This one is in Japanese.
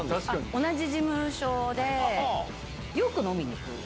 同じ事務所で、よく飲みに行く。